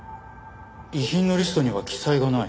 遺品のリストには記載がない。